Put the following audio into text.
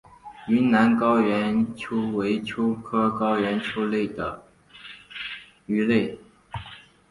云南高原鳅为鳅科高原鳅属的鱼类。